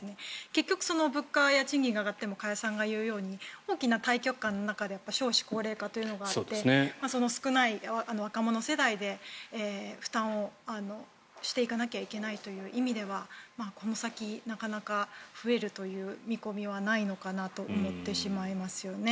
結局、物価や賃金が上がっても加谷さんが言うように大きな大局観の中で少子高齢化というのがあって少ない若者世代で負担をしていかなきゃいけないという意味ではこの先、なかなか増えるという見込みはないのかなと思ってしまいますよね。